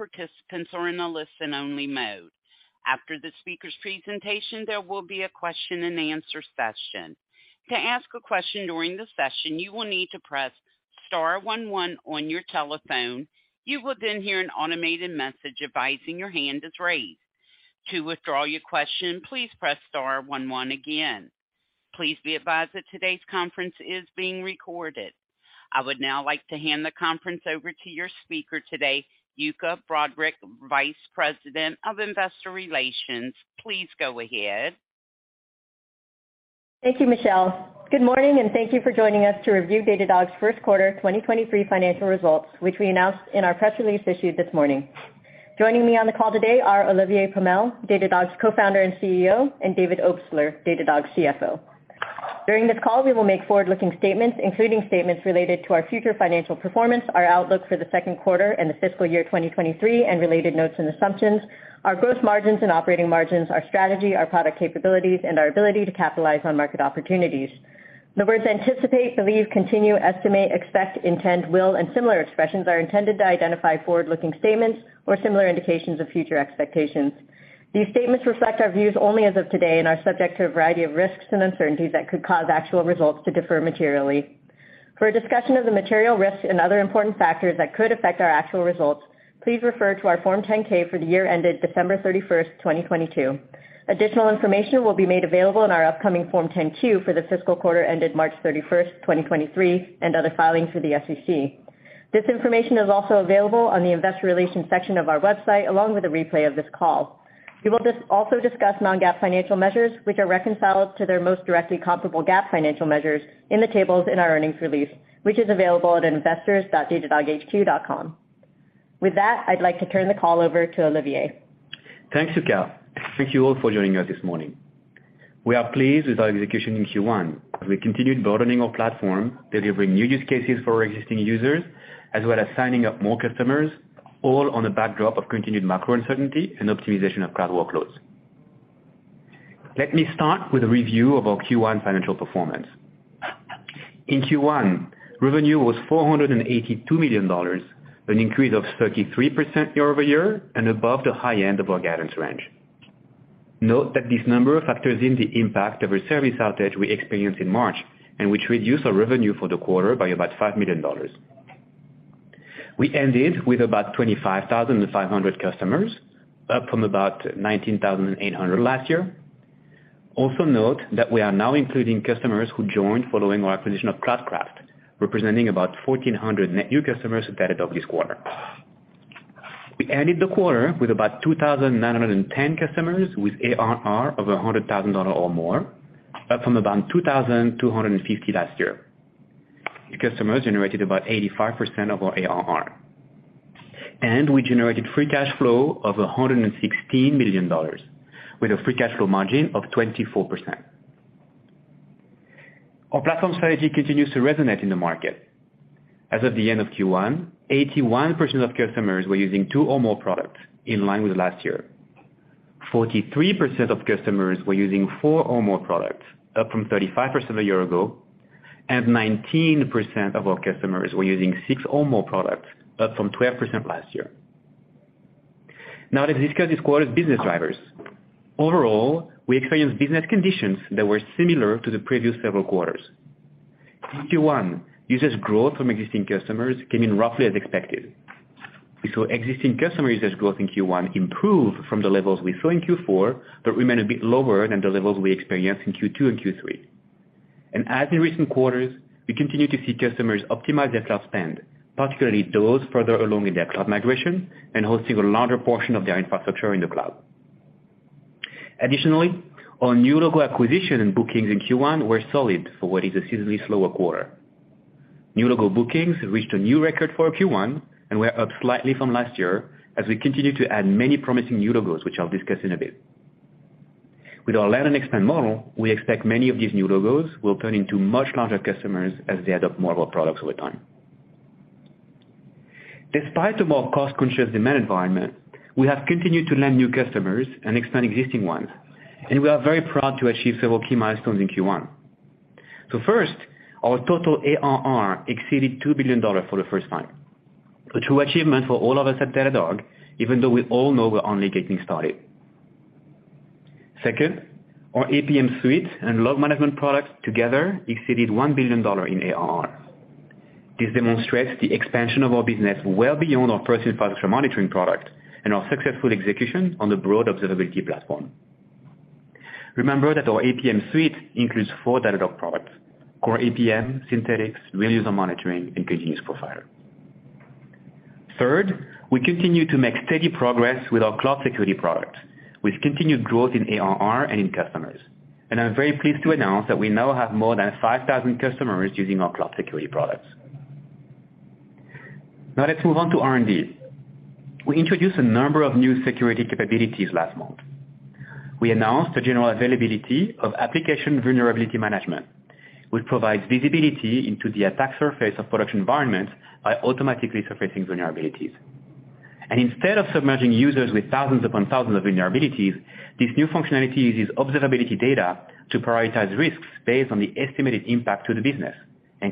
All participants are in a listen only mode. After the speaker's presentation, there will be a question and answer session. To ask a question during the session, you will need to press star one one on your telephone. You will then hear an automated message advising your hand is raised. To withdraw your question, please press star one one again. Please be advised that today's conference is being recorded. I would now like to hand the conference over to your speaker today, Yuka Broderick, Vice President of Investor Relations. Please go ahead. Thank you, Michelle. Good morning, and thank you for joining us to review Datadog's Q1 2023 financial results, which we announced in our press release issued this morning. Joining me on the call today are Olivier Pomel, Datadog's Co-founder and CEO, and David Obstler, Datadog's CFO. During this call, we will make forward-looking statements, including statements related to our future financial performance, our outlook for the Q2 and the fiscal year 2023 and related notes and assumptions, our growth margins and operating margins, our strategy, our product capabilities, and our ability to capitalize on market opportunities. The words anticipate, believe, continue, estimate, expect, intend, will, and similar expressions are intended to identify forward-looking statements or similar indications of future expectations. These statements reflect our views only as of today and are subject to a variety of risks and uncertainties that could cause actual results to differ materially. For a discussion of the material risks and other important factors that could affect our actual results, please refer to our Form 10-K for the year ended December 31st, 2022. Additional information will be made available in our upcoming Form 10-Q for the fiscal quarter ended March 31st, 2023 and other filings for the SEC. This information is also available on the investor relations section of our website, along with a replay of this call. We will also discuss non-GAAP financial measures, which are reconciled to their most directly comparable GAAP financial measures in the tables in our earnings release, which is available at investors.datadoghq.com. I'd like to turn the call over to Olivier. Thanks, Yuka. Thank you all for joining us this morning. We are pleased with our execution in Q1 as we continued broadening our platform, delivering new use cases for our existing users, as well as signing up more customers, all on a backdrop of continued macro uncertainty and optimization of cloud workloads. Let me start with a review of our Q1 financial performance. In Q1, revenue was $482 million, an increase of 33% year-over-year and above the high end of our guidance range. Note that this number factors in the impact of a service outage we experienced in March and which reduced our revenue for the quarter by about $5 million. We ended with about 25,500 customers, up from about 19,800 last year. Also note that we are now including customers who joined following our acquisition of Cloudcraft, representing about 1,400 net new customers of Datadog this quarter. We ended the quarter with about 2,910 customers with ARR of $100,000 or more, up from about 2,250 last year. The customers generated about 85% of our ARR. We generated free cash flow of $116 million with a free cash flow margin of 24%. Our platform strategy continues to resonate in the market. As of the end of Q1, 81% of customers were using two or more products in line with last year. 43% of customers were using 4 or more products, up from 35% a year ago. 19% of our customers were using 6 or more products, up from 12% last year. Now let's discuss this quarter's business drivers. Overall, we experienced business conditions that were similar to the previous several quarters. In Q1, users growth from existing customers came in roughly as expected. We saw existing customer users growth in Q1 improve from the levels we saw in Q4, but remain a bit lower than the levels we experienced in Q2 and Q3. As in recent quarters, we continue to see customers optimize their cloud spend, particularly those further along in their cloud migration and hosting a larger portion of their infrastructure in the cloud. Our new logo acquisition and bookings in Q1 were solid for what is a seasonally slower quarter. New logo bookings reached a new record for a Q1 and were up slightly from last year as we continue to add many promising new logos, which I'll discuss in a bit. With our land and expand model, we expect many of these new logos will turn into much larger customers as they adopt more of our products over time. Despite a more cost-conscious demand environment, we have continued to land new customers and expand existing ones, and we are very proud to achieve several key milestones in Q1. First, our total ARR exceeded $2 billion for the first time. A true achievement for all of us at Datadog, even though we all know we're only getting started. Our APM Suite and Log Management products together exceeded $1 billion in ARR. This demonstrates the expansion of our business well beyond our first Infrastructure Monitoring product and our successful execution on the broad observability platform. Remember that our APM Suite includes four Datadog products, core APM, Synthetics, Real User Monitoring, and Kubernetes Profiler. We continue to make steady progress with our cloud security product with continued growth in ARR and in customers. I'm very pleased to announce that we now have more than 5,000 customers using our cloud security products. Let's move on to R&D. We introduced a number of new security capabilities last month. We announced the general availability of Application Vulnerability Management, which provides visibility into the attack surface of production environments by automatically surfacing vulnerabilities. Instead of submerging users with thousands upon thousands of vulnerabilities, this new functionality uses observability data to prioritize risks based on the estimated impact to the business.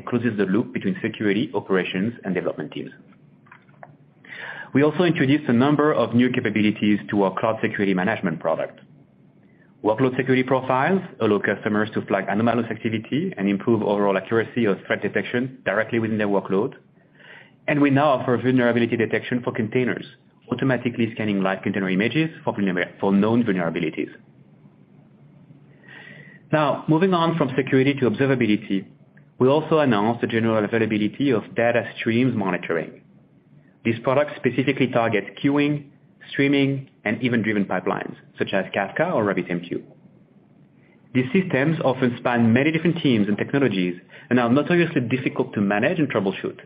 Closes the loop between security operations and development teams. We also introduced a number of new capabilities to our Cloud Security Management product. Workload Security Profiles allow customers to flag anomalous activity and improve overall accuracy of threat detection directly within their workload. We now offer vulnerability detection for containers, automatically scanning live container images for known vulnerabilities. Moving on from security to observability, we also announced the general availability of Data Streams Monitoring. This product specifically targets queuing, streaming, and event-driven pipelines such as Kafka or RabbitMQ. These systems often span many different teams and technologies and are notoriously difficult to manage and troubleshoot.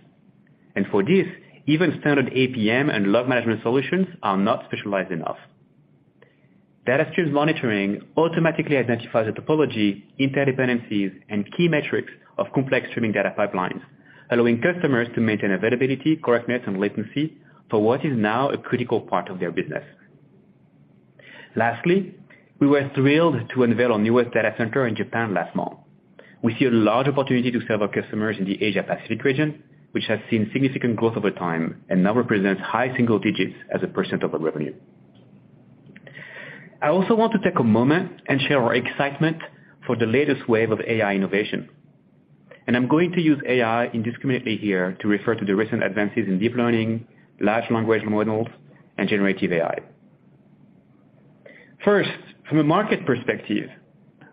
For this, even standard APM and Log Management solutions are not specialized enough. Data Streams Monitoring automatically identifies the topology, interdependencies, and key metrics of complex streaming data pipelines, allowing customers to maintain availability, correctness, and latency for what is now a critical part of their business. We were thrilled to unveil our newest data center in Japan last month. We see a large opportunity to serve our customers in the Asia Pacific region, which has seen significant growth over time and now represents high single digits as a percent of our revenue. I also want to take a moment and share our excitement for the latest wave of AI innovation. I'm going to use AI indiscriminately here to refer to the recent advances in deep learning, large language models, and generative AI. From a market perspective,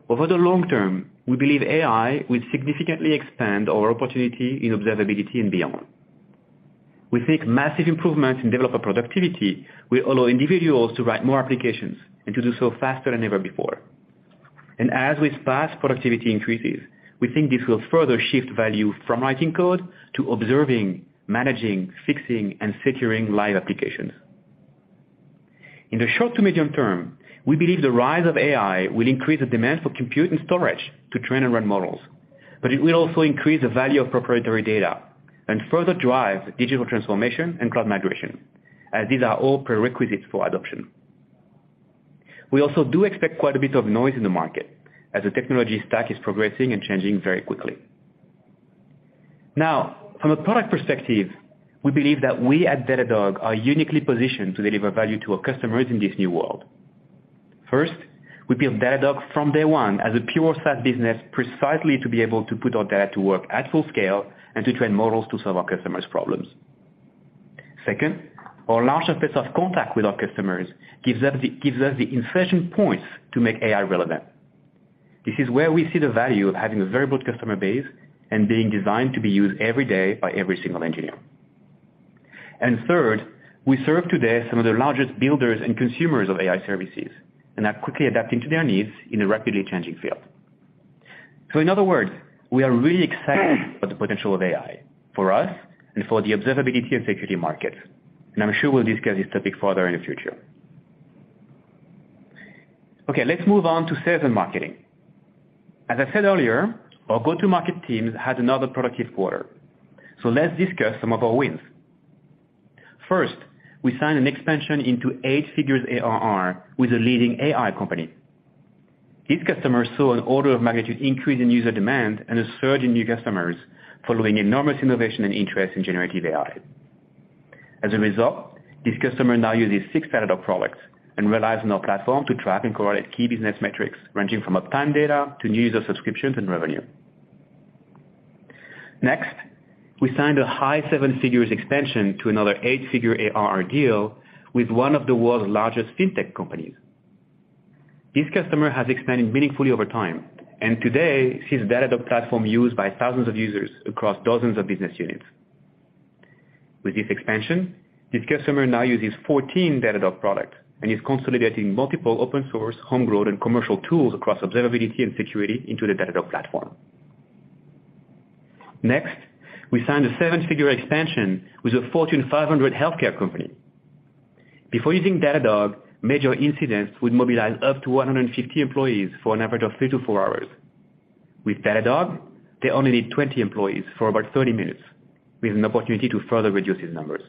over the long term, we believe AI will significantly expand our opportunity in observability and beyond. We think massive improvements in developer productivity will allow individuals to write more applications and to do so faster than ever before. As with past productivity increases, we think this will further shift value from writing code to observing, managing, fixing, and securing live applications. In the short to medium term, we believe the rise of AI will increase the demand for compute and storage to train and run models, but it will also increase the value of proprietary data and further drive digital transformation and cloud migration, as these are all prerequisites for adoption. We also do expect quite a bit of noise in the market as the technology stack is progressing and changing very quickly. From a product perspective, we believe that we at Datadog are uniquely positioned to deliver value to our customers in this new world. First, we built Datadog from day one as a pure SaaS business precisely to be able to put our data to work at full scale and to train models to solve our customers' problems. Second, our large surface of contact with our customers gives us the insertion points to make AI relevant. This is where we see the value of having a variable customer base and being designed to be used every day by every single engineer. Third, we serve today some of the largest builders and consumers of AI services and are quickly adapting to their needs in a rapidly changing field. In other words, we are really excited about the potential of AI for us and for the observability and security markets. I'm sure we'll discuss this topic further in the future. Okay, let's move on to sales and marketing. As I said earlier, our go-to-market teams had another productive quarter, so let's discuss some of our wins. First, we signed an expansion into 8 figures ARR with a leading AI company. This customer saw an order of magnitude increase in user demand and a surge in new customers following enormous innovation and interest in generative AI. As a result, this customer now uses six Datadog products and relies on our platform to track and correlate key business metrics, ranging from uptime data to new user subscriptions and revenue. Next, we signed a high 7 figures expansion to another 8-figure ARR deal with one of the world's largest fintech companies. This customer has expanded meaningfully over time, and today sees Datadog platform used by thousands of users across dozens of business units. With this expansion, this customer now uses 14 Datadog products and is consolidating multiple open source, homegrown, and commercial tools across observability and security into the Datadog platform. Next, we signed a seven-figure expansion with a Fortune 500 healthcare company. Before using Datadog, major incidents would mobilize up to 150 employees for an average of 3-4 hours. With Datadog, they only need 20 employees for about 30 minutes, with an opportunity to further reduce these numbers.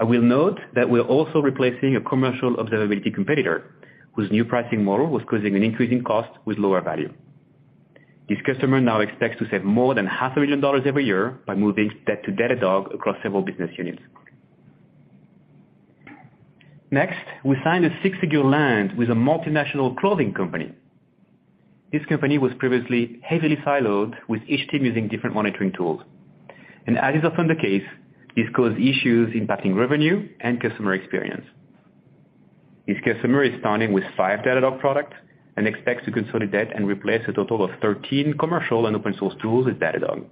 I will note that we're also replacing a commercial observability competitor whose new pricing model was causing an increase in cost with lower value. This customer now expects to save more than half a million dollars every year by moving that to Datadog across several business units. Next, we signed a six-figure land with a multinational clothing company. This company was previously heavily siloed with each team using different monitoring tools. As is often the case, this caused issues impacting revenue and customer experience. This customer is starting with 5 Datadog products and expects to consolidate and replace a total of 13 commercial and open source tools with Datadog.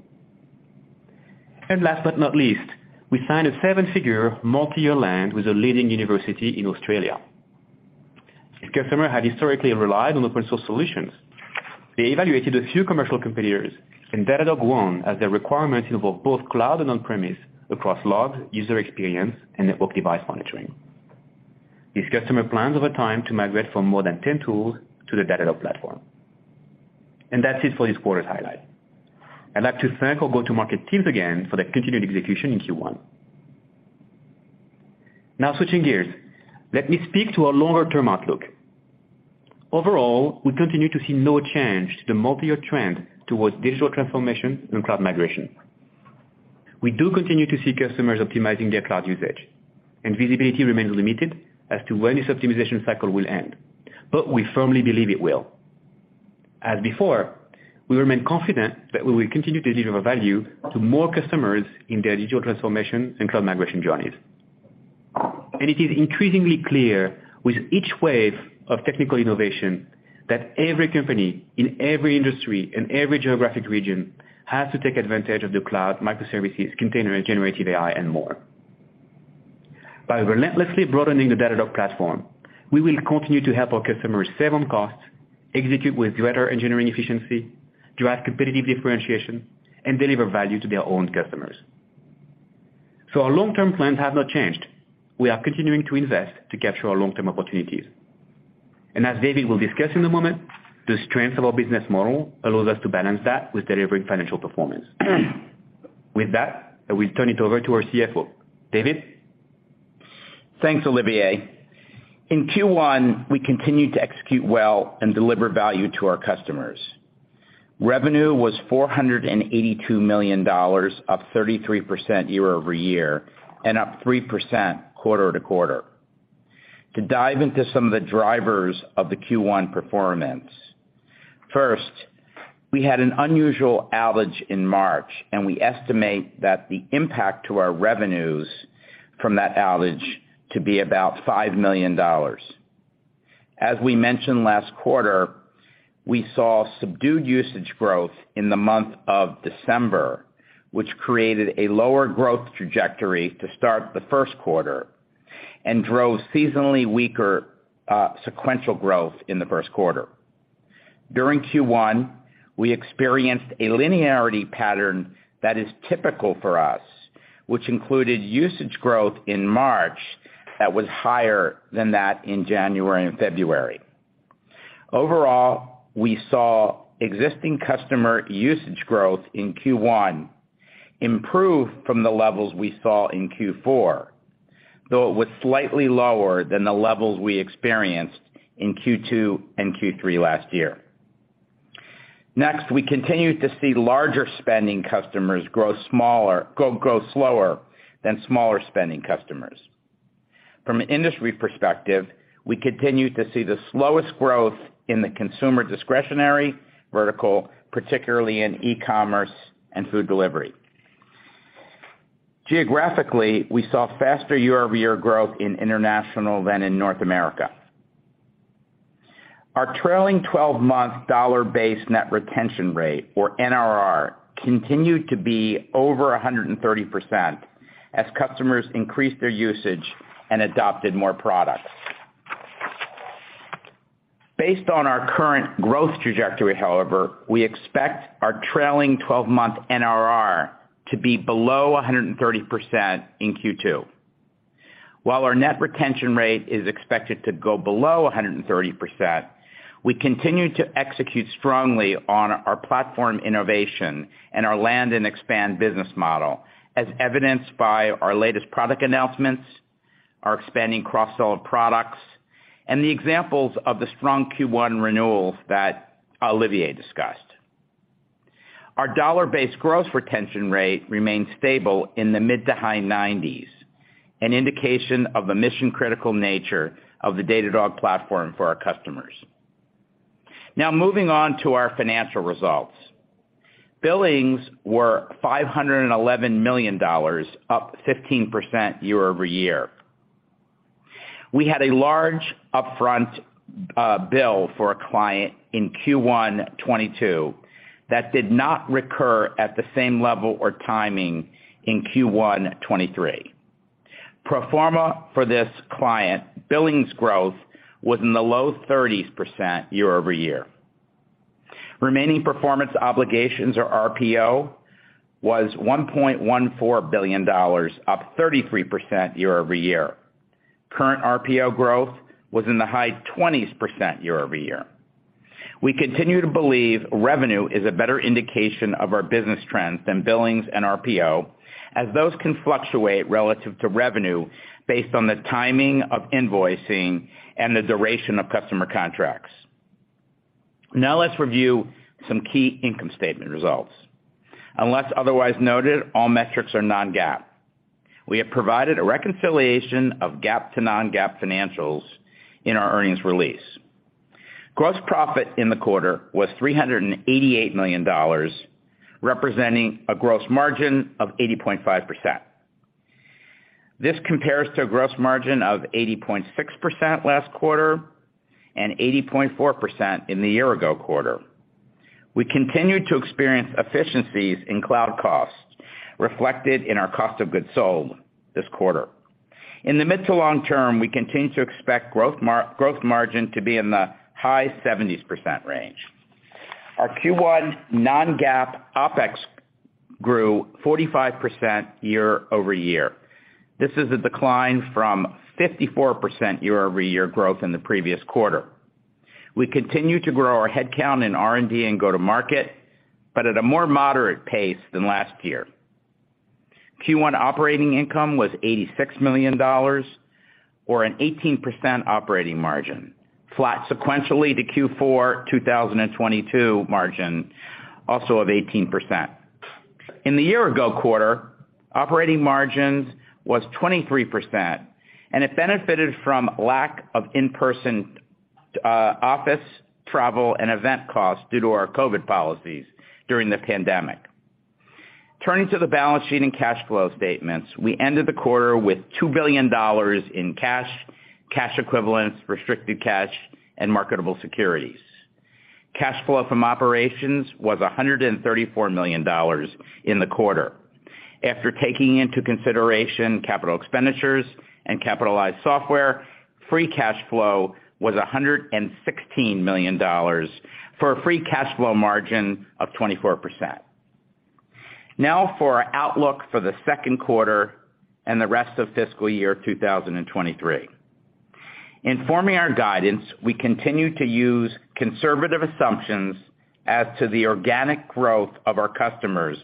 Last but not least, we signed a $7-figure multi-year land with a leading university in Australia. This customer had historically relied on open source solutions. They evaluated a few commercial competitors, and Datadog won as their requirements involved both cloud and on-premise across log, user experience, and network device monitoring. This customer plans over time to migrate from more than 10 tools to the Datadog platform. That's it for this quarter's highlight. I'd like to thank our go-to-market teams again for their continued execution in Q1. Now switching gears, let me speak to our longer term outlook. Overall, we continue to see no change to the multi-year trend towards digital transformation and cloud migration. We do continue to see customers optimizing their cloud usage and visibility remains limited as to when this optimization cycle will end, but we firmly believe it will. As before, we remain confident that we will continue to deliver value to more customers in their digital transformation and cloud migration journeys. It is increasingly clear with each wave of technical innovation that every company in every industry, in every geographic region has to take advantage of the cloud, microservices, container and generative AI, and more. By relentlessly broadening the Datadog platform, we will continue to help our customers save on costs, execute with greater engineering efficiency, drive competitive differentiation, and deliver value to their own customers. Our long-term plans have not changed. We are continuing to invest to capture our long-term opportunities. As David will discuss in a moment, the strength of our business model allows us to balance that with delivering financial performance. With that, I will turn it over to our CFO. David? Thanks, Olivier. In Q1, we continued to execute well and deliver value to our customers. Revenue was $482 million, up 33% year-over-year and up 3% quarter-to-quarter. To dive into some of the drivers of the Q1 performance. First, we had an unusual outage in March, and we estimate that the impact to our revenues from that outage to be about $5 million. As we mentioned last quarter, we saw subdued usage growth in the month of December, which created a lower growth trajectory to start the Q1 and drove seasonally weaker, sequential growth in the Q1. During Q1, we experienced a linearity pattern that is typical for us, which included usage growth in March that was higher than that in January and February. Overall, we saw existing customer usage growth in Q1 improve from the levels we saw in Q4, though it was slightly lower than the levels we experienced in Q2 and Q3 last year. We continued to see larger spending customers grow slower than smaller spending customers. From an industry perspective, we continued to see the slowest growth in the consumer discretionary vertical, particularly in e-commerce and food delivery. Geographically, we saw faster year-over-year growth in international than in North America. Our trailing twelve-month dollar-based net retention rate, or NRR, continued to be over 130% as customers increased their usage and adopted more products. Based on our current growth trajectory, however, we expect our trailing twelve-month NRR to be below 130% in Q2. While our net retention rate is expected to go below 130%, we continue to execute strongly on our platform innovation and our land and expand business model, as evidenced by our latest product announcements, our expanding cross-sell of products, and the examples of the strong Q1 renewals that Olivier discussed. Our dollar-based growth retention rate remains stable in the mid to high nineties, an indication of the mission-critical nature of the Datadog platform for our customers. Moving on to our financial results. Billings were $511 million, up 15% year-over-year. We had a large upfront bill for a client in Q1 2022 that did not recur at the same level or timing in Q1 2023. Pro forma for this client, billings growth was in the low 30s% year-over-year. Remaining performance obligations or RPO was $1.14 billion, up 33% year-over-year. Current RPO growth was in the high 20s% year-over-year. We continue to believe revenue is a better indication of our business trends than billings and RPO, as those can fluctuate relative to revenue based on the timing of invoicing and the duration of customer contracts. Let's review some key income statement results. Unless otherwise noted, all metrics are non-GAAP. We have provided a reconciliation of GAAP to non-GAAP financials in our earnings release. Gross profit in the quarter was $388 million, representing a gross margin of 80.5%. This compares to a gross margin of 80.6% last quarter and 80.4% in the year-ago quarter. We continued to experience efficiencies in cloud costs reflected in our cost of goods sold this quarter. In the mid to long term, we continue to expect growth margin to be in the high 70% range. Our Q1 non-GAAP OpEx grew 45% year over year. This is a decline from 54% year over year growth in the previous quarter. We continue to grow our headcount in R&D and go-to-market, but at a more moderate pace than last year. Q1 operating income was $86 million or an 18% operating margin, flat sequentially to Q4 2022 margin also of 18%. In the year ago quarter, operating margins was 23% and it benefited from lack of in-person office travel and event costs due to our COVID policies during the pandemic. Turning to the balance sheet and cash flow statements, we ended the quarter with $2 billion in cash equivalents, restricted cash and marketable securities. Cash flow from operations was $134 million in the quarter. After taking into consideration capital expenditures and capitalized software, free cash flow was $116 million for a free cash flow margin of 24%. Now for our outlook for the Q2 and the rest of fiscal year 2023. In forming our guidance, we continue to use conservative assumptions as to the organic growth of our customers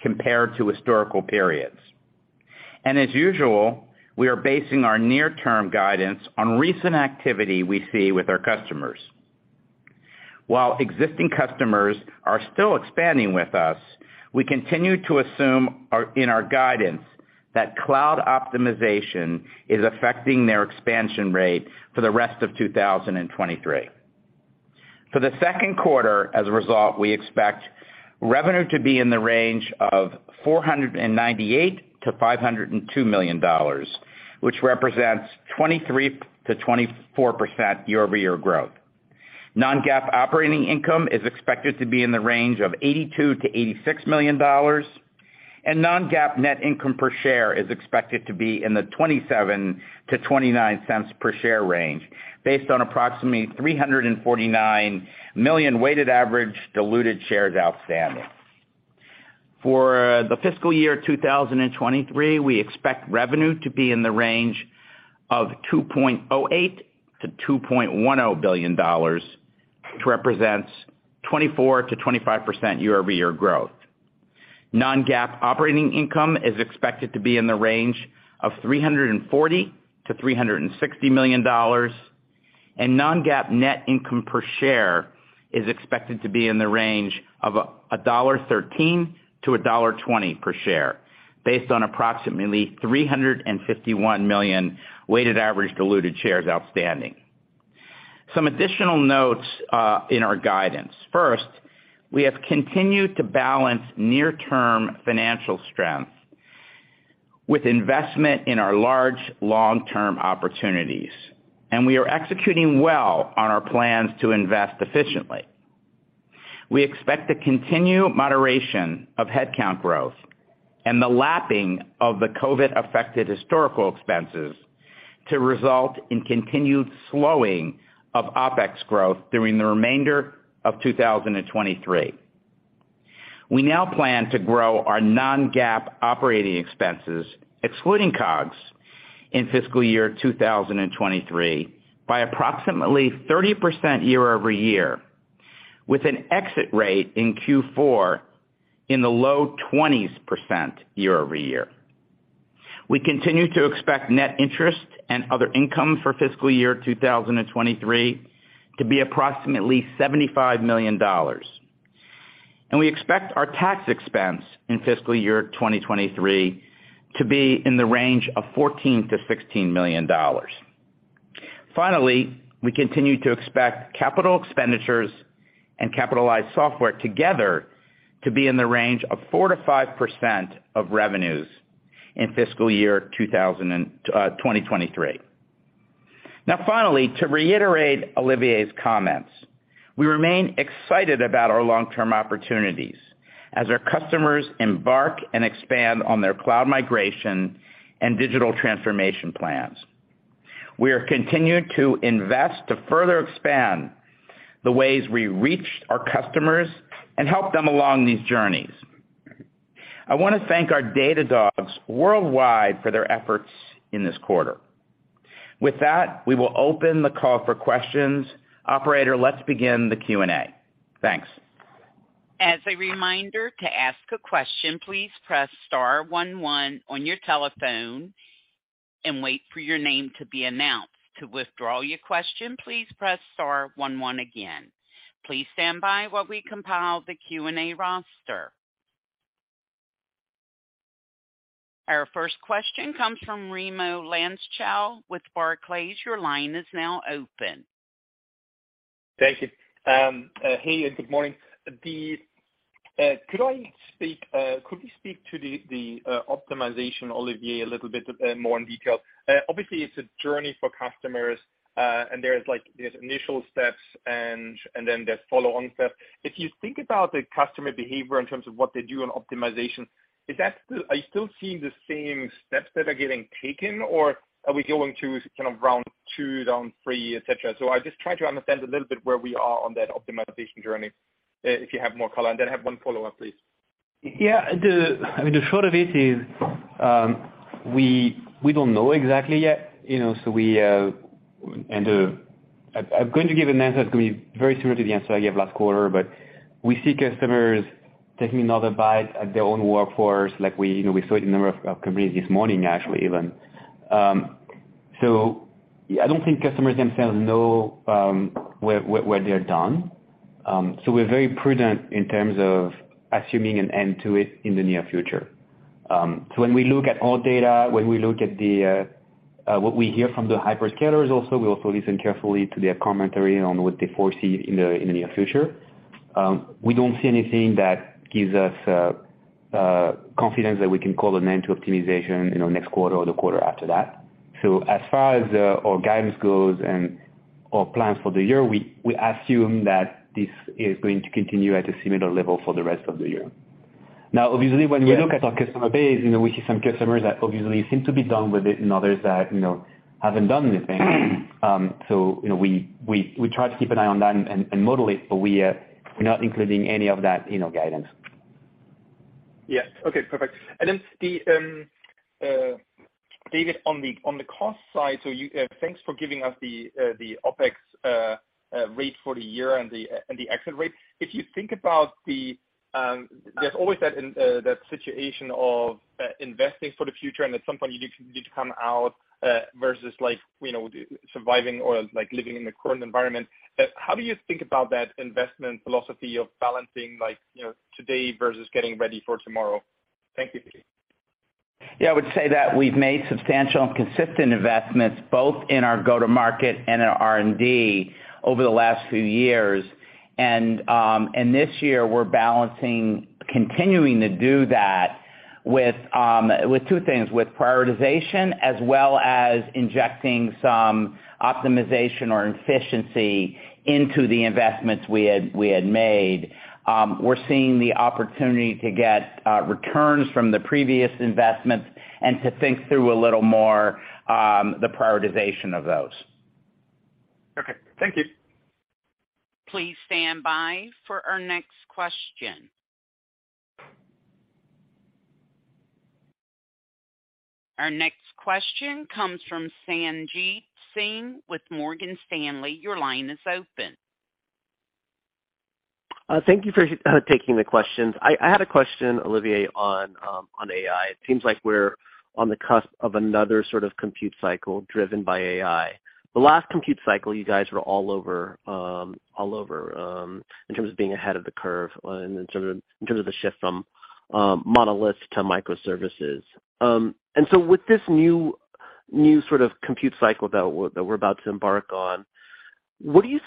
compared to historical periods. As usual, we are basing our near-term guidance on recent activity we see with our customers. While existing customers are still expanding with us, we continue to assume in our guidance that cloud optimization is affecting their expansion rate for the rest of 2023. For the Q2, as a result, we expect revenue to be in the range of $498 million-502 million, which represents 23-24% year-over-year growth. Non-GAAP operating income is expected to be in the range of $82 million-86 million, and non-GAAP net income per share is expected to be in the $0.27-0.29 per share range based on approximately 349 million weighted average diluted shares outstanding. For the fiscal year 2023, we expect revenue to be in the range of $2.08 billion-2.10 billion, which represents 24-25% year-over-year growth. Non-GAAP operating income is expected to be in the range of $340 million-360 million, non-GAAP net income per share is expected to be in the range of $1.13-1.20 per share based on approximately 351 million weighted average diluted shares outstanding. Some additional notes in our guidance. First, we have continued to balance near-term financial strength with investment in our large long-term opportunities, and we are executing well on our plans to invest efficiently. We expect the continued moderation of headcount growth and the lapping of the COVID-affected historical expenses to result in continued slowing of OpEx growth during the remainder of 2023. We now plan to grow our non-GAAP operating expenses, excluding COGS, in fiscal year 2023 by approximately 30% year-over-year, with an exit rate in Q4 in the low 20s% year-over-year. We continue to expect net interest and other income for fiscal year 2023 to be approximately $75 million. We expect our tax expense in fiscal year 2023 to be in the range of $14 million-16 million. Finally, we continue to expect capital expenditures and capitalized software together to be in the range of 4-5% of revenues in fiscal year 2023. Finally, to reiterate Olivier's comments, we remain excited about our long-term opportunities as our customers embark and expand on their cloud migration and digital transformation plans. We are continuing to invest to further expand the ways we reach our customers and help them along these journeys. I wanna thank our Datadogs worldwide for their efforts in this quarter. With that, we will open the call for questions. Operator, let's begin the Q&A. Thanks. As a reminder, to ask a question, please press star one one on your telephone and wait for your name to be announced. To withdraw your question, please press star one one again. Please stand by while we compile the Q&A roster. Our first question comes from Raimo Lenschow with Barclays. Your line is now open. Thank you. Hey, good morning. could you speak to the optimization, Olivier, a little bit more in detail? Obviously it's a journey for customers, and there's like these initial steps and then there's follow-on steps. If you think about the customer behavior in terms of what they do on optimization, are you still seeing the same steps that are getting taken or are we going to kind of round two, round three, et cetera? I just try to understand a little bit where we are on that optimization journey, if you have more color, and then I have one follow-up, please. The short of it is, we don't know exactly yet. I'm going to give an answer that's gonna be very similar to the answer I gave last quarter. We see customers taking another bite at their own workforce we saw it in a number of companies this morning actually even. I don't think customers themselves know where they're done. We're very prudent in terms of assuming an end to it in the near future. When we look at all data, when we look at what we hear from the hyperscalers also, we also listen carefully to their commentary on what they foresee in the near future. We don't see anything that gives us confidence that we can call an end to optimization, you know, next quarter or the quarter after that. As far as our guidance goes and our plans for the year, we assume that this is going to continue at a similar level for the rest of the year. Obviously, when we look at our customer base, you know, we see some customers that obviously seem to be done with it and others that, you know, haven't done anything. You know, we try to keep an eye on that and model it, but we're not including any of that, you know, guidance. Yes. Okay, perfect. David, on the cost side, so thanks for giving us the OpEx rate for the year and the exit rate. If you think about there's always that in that situation of investing for the future, and at some point you do need to come out versus like, you know, surviving or like living in the current environment. How do you think about that investment philosophy of balancing like, you know, today versus getting ready for tomorrow? Thank you. I would say that we've made substantial and consistent investments both in our go-to-market and in our R&D over the last few years. This year, we're balancing continuing to do that with two things, with prioritization as well as injecting some optimization or efficiency into the investments we had made. We're seeing the opportunity to get returns from the previous investments and to think through a little more the prioritization of those. Okay. Thank you. Please stand by for our next question. Our next question comes from Sanjit Singh with Morgan Stanley. Your line is open. Thank you for taking the questions. I had a question, Olivier, on AI. It seems like we're on the cusp of another sort of compute cycle driven by AI. The last compute cycle, you guys were all over in terms of being ahead of the curve and in terms of the shift from monolith to microservices. With this new sort of compute cycle that we're about to embark on, you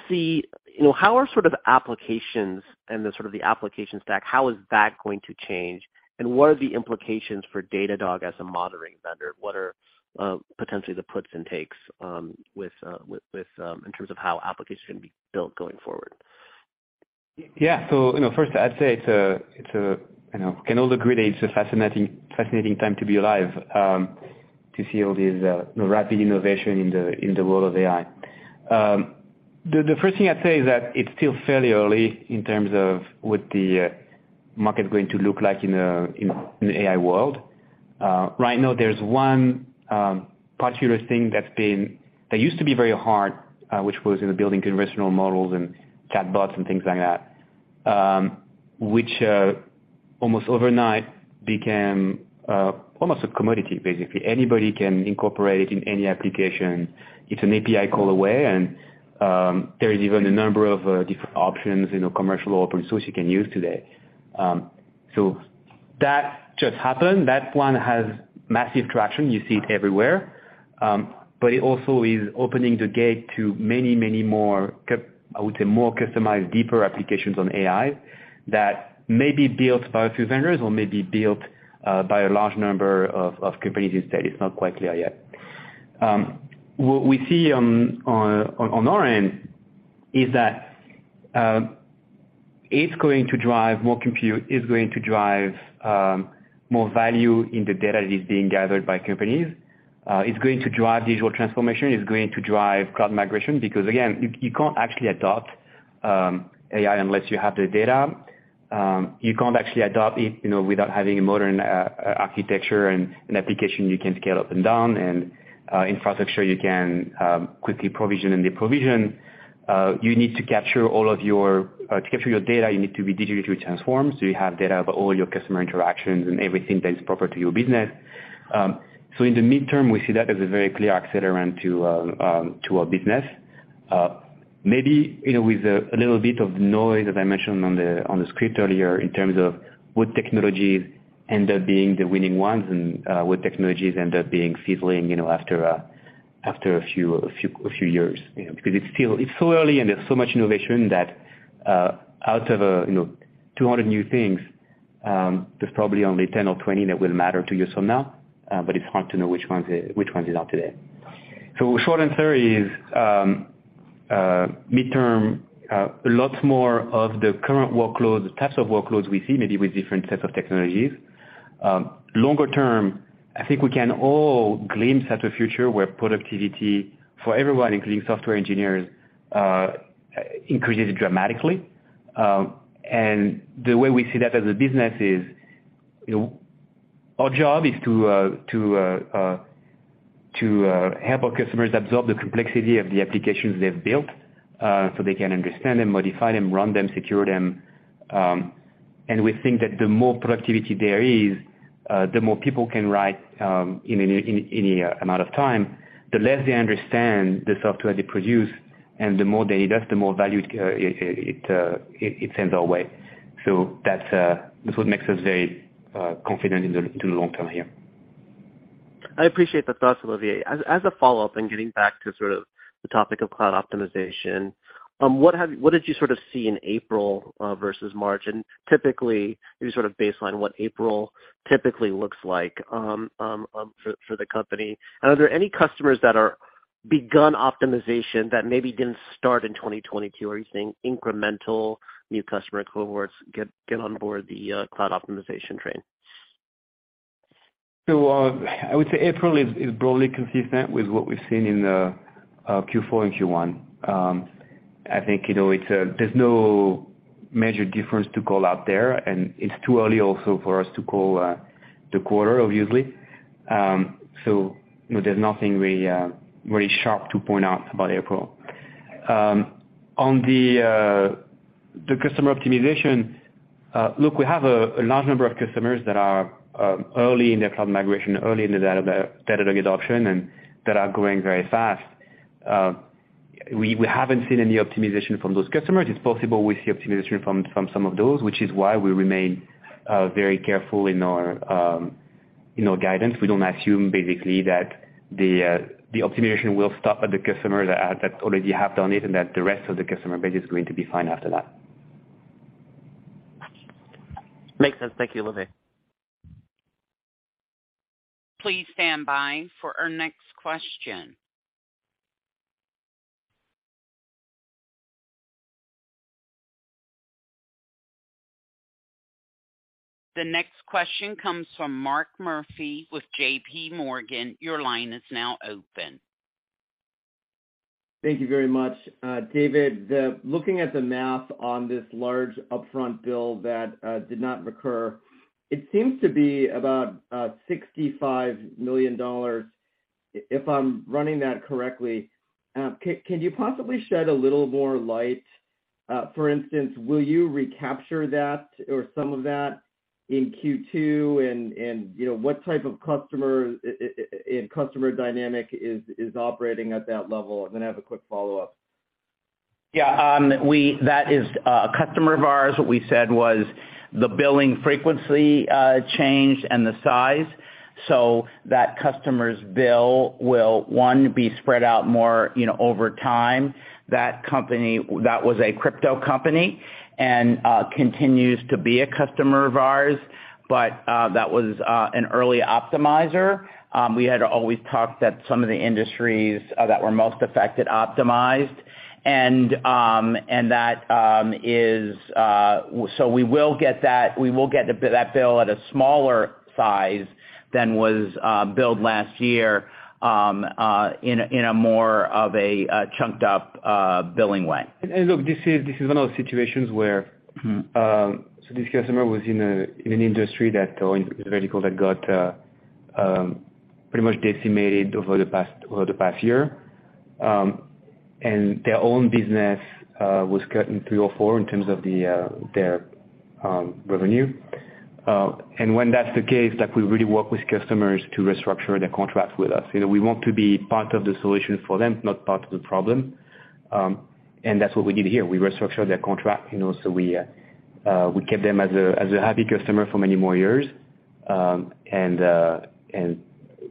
know, how are sort of applications and the sort of the application stack, how is that going to change, and what are the implications for Datadog as a monitoring vendor? What are potentially the puts and takes with in terms of how applications can be built going forward? You know, first I'd say it's a, you know, in all the grades, a fascinating time to be alive, to see all these rapid innovation in the world of AI. The first thing I'd say is that it's still fairly early in terms of what the market is going to look like in AI world. Right now there's one particular thing that used to be very hard, which was in the building conventional models and chatbots and things like that, which almost overnight became almost a commodity basically. Anybody can incorporate in any application. It's an API call away. There is even a number of different options, you know, commercial open source you can use today. That just happened. That one has massive traction. You see it everywhere. It also is opening the gate to many, many more I would say, more customized, deeper applications on AI that may be built by a few vendors or may be built by a large number of companies instead. It's not quite clear yet. What we see on our end is that it's going to drive more compute. It's going to drive more value in the data that is being gathered by companies. It's going to drive digital transformation. It's going to drive cloud migration because, again, you can't actually adopt AI unless you have the data. You can't actually adopt it, you know, without having a modern architecture and an application you can scale up and down and infrastructure you can quickly provision and deprovision. You need to capture all of your to capture your data, you need to be digitally transformed, so you have data of all your customer interactions and everything that is proper to your business. In the midterm, we see that as a very clear accelerant to our business. Maybe, you know, with a little bit of noise, as I mentioned on the script earlier, in terms of what technologies end up being the winning ones and what technologies end up being fizzling, you know, after a few years. You know, because it's still, it's so early and there's so much innovation that out of, you know, 200 new things, there's probably only 10 or 20 that will matter 2 years from now, but it's hard to know which ones it are today. Short answer is, midterm, lots more of the current workloads, types of workloads we see maybe with different sets of technologies. Longer term, I think we can all glimpse at a future where productivity for everyone, including software engineers, increases dramatically. The way we see that as a business is, you know, our job is to help our customers absorb the complexity of the applications they've built, so they can understand them, modify them, run them, secure them. We think that the more productivity there is, the more people can write, in any amount of time, the less they understand the software they produce, and the more they do that, the more value, it sends our way. That's what makes us very confident in the long term here. I appreciate the thoughts, Olivier. As a follow-up and getting back to sort of the topic of cloud optimization, what did you sort of see in April versus March? Typically, you sort of baseline what April typically looks like for the company. Are there any customers that are begun optimization that maybe didn't start in 2022? Are you seeing incremental new customer cohorts get on board the cloud optimization train? I would say April is broadly consistent with what we've seen in Q4 and Q1. I think, you know, it's there's no major difference to call out there, and it's too early also for us to call the quarter, obviously. You know, there's nothing really sharp to point out about April. On the customer optimization, look, we have a large number of customers that are early in their cloud migration, early in the data lake adoption, and that are growing very fast. We haven't seen any optimization from those customers. It's possible we see optimization from some of those, which is why we remain very careful in our guidance. We don't assume basically that the optimization will stop at the customer that already have done it, and that the rest of the customer base is going to be fine after that. Makes sense. Thank you, Olivier. Please stand by for our next question. The next question comes from Mark Murphy with JPMorgan. Your line is now open. Thank you very much. David Obstler, looking at the math on this large upfront bill that did not recur, it seems to be about $65 million if I'm running that correctly. Can you possibly shed a little more light? For instance, will you recapture that or some of that in Q2? You know, what type of customer in customer dynamic is operating at that level? I have a quick follow-up. Yeah, that is a customer of ours. What we said was the billing frequency changed and the size. That customer's bill will, one, be spread out more, you know, over time. That company, that was a crypto company and continues to be a customer of ours, but that was an early optimizer. We had always talked that some of the industries that were most affected optimized. And that is. We will get that, we will get that bill at a smaller size than was billed last year, in a more of a, chunked up, billing way. Look, this is one of those situations where, so this customer was in an industry that, or in vertical that got pretty much decimated over the past, over the past year. Their own business was cut in three or four in terms of their revenue. When that's the case, like we really work with customers to restructure their contracts with us. You know, we want to be part of the solution for them, not part of the problem. That's what we did here. We restructured their contract, you know, so we kept them as a happy customer for many more years, and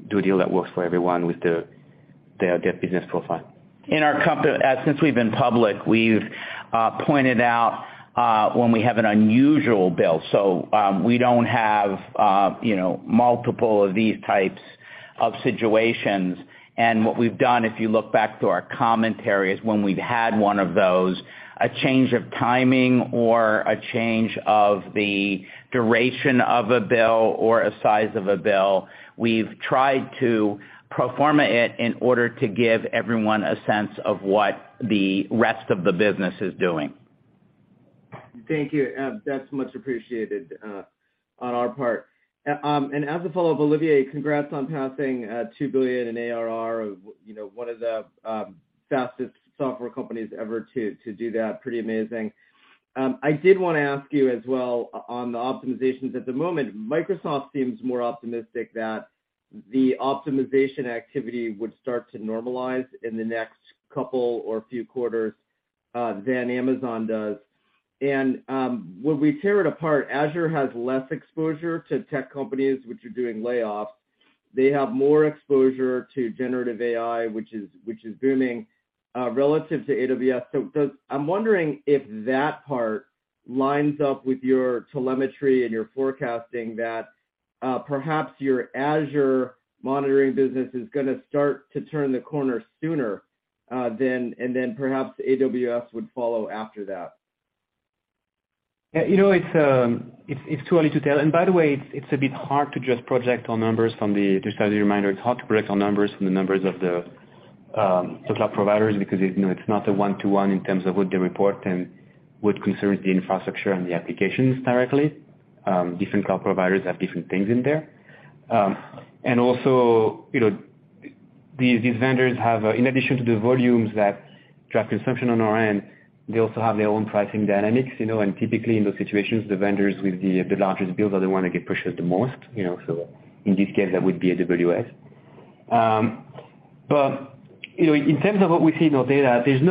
do a deal that works for everyone with their business profile. Since we've been public, we've pointed out when we have an unusual bill. We don't have, you know, multiple of these types of situations. What we've done, if you look back through our commentary, is when we've had one of those, a change of timing or a change of the duration of a bill or a size of a bill, we've tried to pro forma it in order to give everyone a sense of what the rest of the business is doing. Thank you. That's much appreciated on our part. As a follow-up, Olivier, congrats on passing $2 billion in ARR. You know, one of the fastest software companies ever to do that. Pretty amazing. I did wanna ask you as well on the optimizations. At the moment, Microsoft seems more optimistic that the optimization activity would start to normalize in the next couple or few quarters than Amazon does. When we tear it apart, Azure has less exposure to tech companies which are doing layoffs. They have more exposure to generative AI, which is booming relative to AWS. I'm wondering if that part lines up with your telemetry and your forecasting that, perhaps your Azure monitoring business is gonna start to turn the corner sooner, then perhaps AWS would follow after that. Yeah, you know, it's too early to tell. By the way, it's a bit hard to just project our numbers from the just as a reminder, it's hard to project our numbers from the numbers of the cloud providers because it, you know, it's not a one-to-one in terms of what they report and what concerns the infrastructure and the applications directly. Different cloud providers have different things in there. Also, you know, these vendors have, in addition to the volumes that track consumption on our end, they also have their own pricing dynamics, you know. Typically, in those situations, the vendors with the largest deals are the ones that get pressured the most, you know. In this case, that would be AWS. You know, in terms of what we see in our data, there's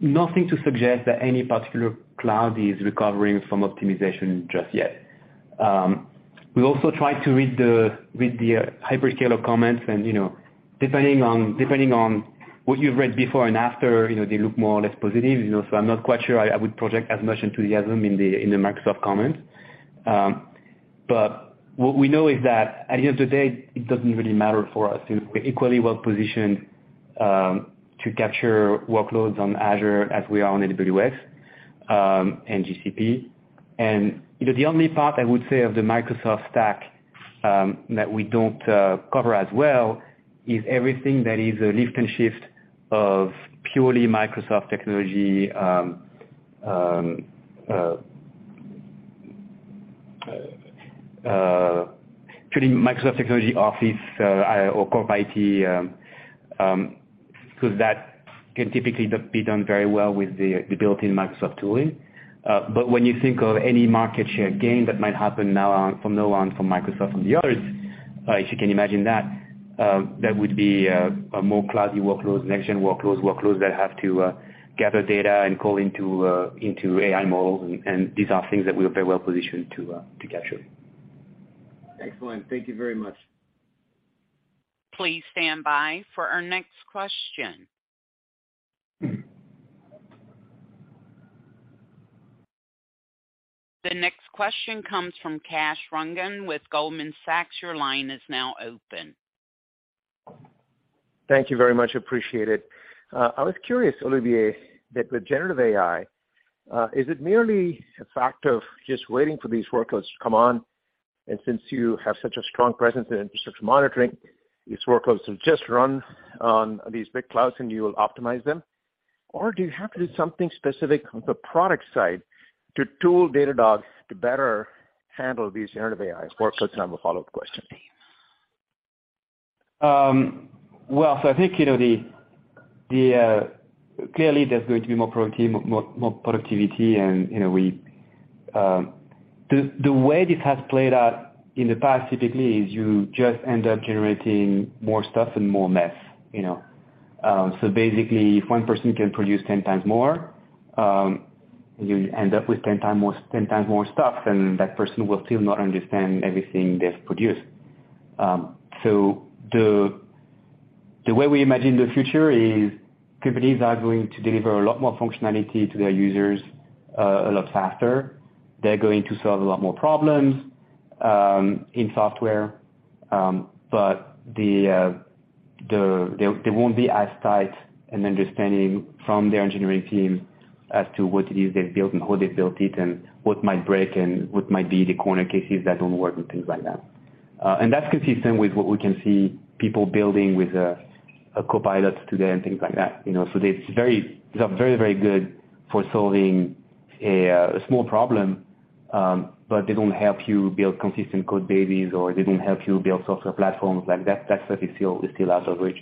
nothing to suggest that any particular cloud is recovering from optimization just yet. We also try to read the hyperscaler comments and, you know, depending on what you've read before and after, you know, they look more or less positive, you know. I'm not quite sure I would project as much enthusiasm in the Microsoft comment. What we know is that at the end of the day, it doesn't really matter for us. We're equally well positioned to capture workloads on Azure as we are on AWS and GCP. You know, the only part I would say of the Microsoft stack that we don't cover as well is everything that is a lift and shift of purely Microsoft technology Office or core IT, 'cause that can typically be done very well with the built-in Microsoft tooling. But when you think of any market share gain that might happen now on, from now on from Microsoft and the others, if you can imagine that would be a more cloudy workloads, nextGen workloads that have to gather data and call into AI models. These are things that we are very well positioned to capture. Excellent. Thank you very much. Please stand by for our next question. The next question comes from Kash Rangan with Goldman Sachs. Your line is now open. Thank you very much. Appreciate it. I was curious, Olivier, that with generative AI, is it merely a fact of just waiting for these workloads to come on? Since you have such a strong presence in Infrastructure Monitoring, these workloads will just run on these big clouds and you will optimize them? Or do you have to do something specific on the product side to tool Datadog to better handle these generative AI workloads? I have a follow-up question. Well, I think, you know, the, clearly there's going to be more productivity and, you know, we. The way this has played out in the past typically is you just end up generating more stuff and more mess, you know. Basically if 1 person can produce 10X more, you end up with 10X more stuff than that person will still not understand everything they've produced. The way we imagine the future is companies are going to deliver a lot more functionality to their users, a lot faster. They're going to solve a lot more problems in software. There, there won't be as tight an understanding from their engineering team as to what it is they've built and how they've built it and what might break and what might be the corner cases that don't work and things like that. That's consistent with what we can see people building with a Copilot today and things like that, you know. These are very good for solving a small problem, but they don't help you build consistent code bases, or they don't help you build software platforms like that. That stuff is still out of reach.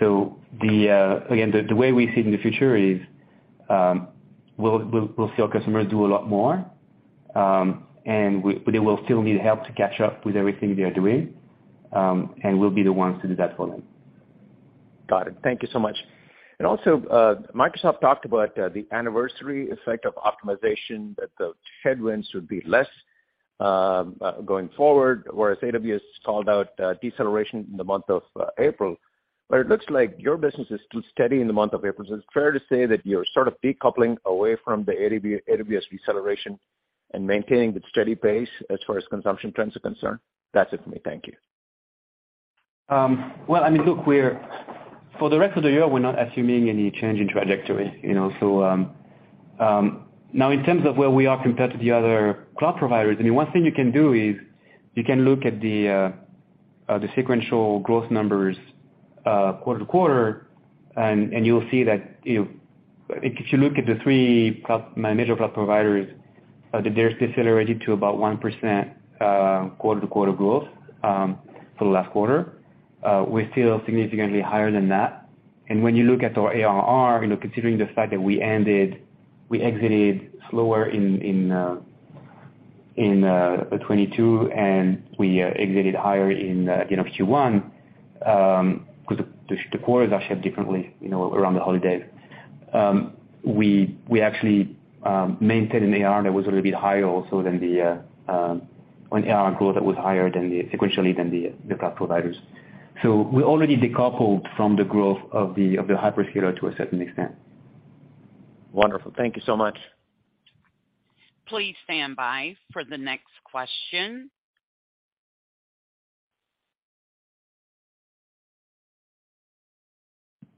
Again, the way we see it in the future is, we'll see our customers do a lot more, but they will still need help to catch up with everything they are doing, and we'll be the ones to do that for them. Got it. Thank you so much. Also, Microsoft talked about the anniversary effect of optimization, that the headwinds would be less going forward, whereas AWS called out deceleration in the month of April. It looks like your business is still steady in the month of April. It's fair to say that you're sort of decoupling away from the AWS deceleration and maintaining the steady pace as far as consumption trends are concerned? That's it for me. Thank you. Well, I mean, look, for the rest of the year, we're not assuming any change in trajectory, you know, so. Now, in terms of where we are compared to the other cloud providers, I mean, one thing you can do is you can look at the sequential growth numbers quarter-to-quarter, and you'll see that, you know, if you look at the 3 cloud, major cloud providers, they're decelerated to about 1% quarter-to-quarter growth for the last quarter. We're still significantly higher than that. And when you look at our ARR, you know, considering the fact that we exited slower in 2022 and we exited higher in, you know, Q1, 'cause the quarter is actually differently, you know, around the holidays. We actually maintained an ARR that was a little bit higher also than the, an ARR growth that was higher than sequentially than the cloud providers. We already decoupled from the growth of the hyperscaler to a certain extent. Wonderful. Thank you so much. Please stand by for the next question.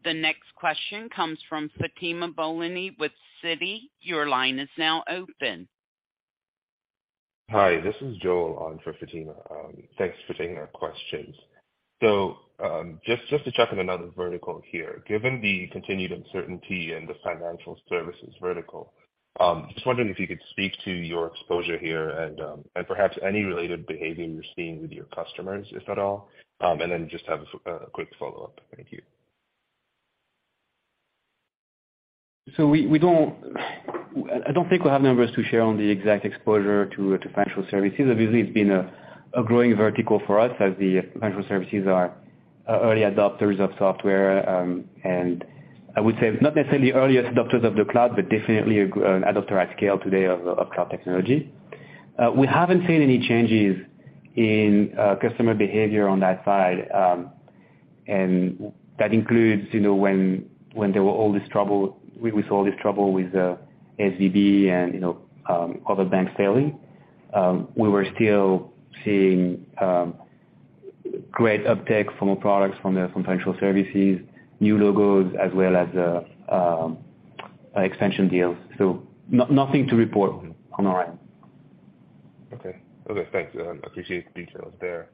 The next question comes from Fatima Boolani with Citi. Your line is now open. Hi, this is Joel on for Fatima. Thanks for taking our questions. Just to check on another vertical here. Given the continued uncertainty in the financial services vertical, just wondering if you could speak to your exposure here and perhaps any related behavior you're seeing with your customers, if at all. Just have a quick follow-up. Thank you. We don't... I don't think we have numbers to share on the exact exposure to financial services. Obviously, it's been a growing vertical for us as the financial services are early adopters of software. I would say not necessarily early adopters of the cloud, but definitely an adopter at scale today of cloud technology. We haven't seen any changes in customer behavior on that side. That includes, you know, when we saw this trouble with SVB and, you know, other banks failing. We were still seeing great uptake from our products from financial services, new logos, as well as extension deals. Nothing to report on our end. Okay. Okay, thanks. Appreciate the details there.